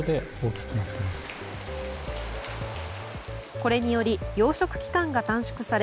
これにより養殖期間が短縮され